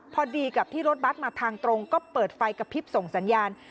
พอดีกับที่รถบัตรมาทางตรงก็เปิดไฟกระพริบส่งสัญญาณ